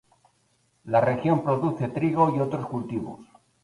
La región produce trigo y otros cultivos.